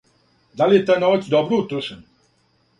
Да ли је тај новац добро утрошен?